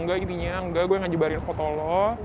enggak intinya enggak gue gak nyebarin foto lo